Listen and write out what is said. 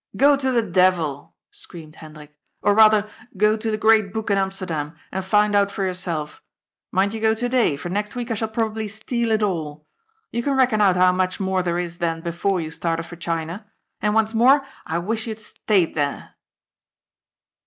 " Go to the devil !" screamed Hendrik. *' Or rather, go to the * Great Book ' in Amsterdam and find out for your self. Mind you go to day, ior next week I shall probably steal it all. You can reckon out how much more there is than before you started for China. And, once more, I wish you had stayed there."